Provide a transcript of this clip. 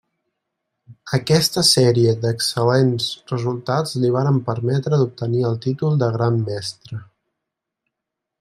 Aquesta sèrie d'excel·lents resultats li varen permetre d'obtenir el títol de Gran Mestre.